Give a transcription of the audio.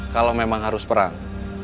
kalau memang harus perang